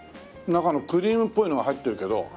中のクリームっぽいのが入ってるけど。